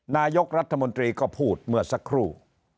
นายกรัฐมนตรีก็พูดเมื่อสักครู่